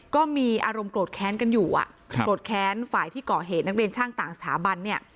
ก็มีอารมณ์โกรธแค้นกันอยู่อ่ะโกรธแค้นฝ่ายที่ก่อเหตุนักเรียนช่างต่างสถาบันเนี่ย